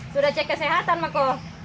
sudah cek kesehatan mako